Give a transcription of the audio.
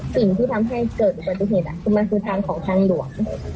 สิ่งที่ทำให้เกิดอุบัติเหตุคือมันคือทางของทางหลวง